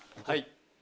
はい。